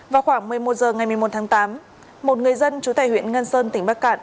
vào khoảng một mươi một h ngày một mươi một tháng tám một người dân chú tài huyện ngân sơn tỉnh bắc cạn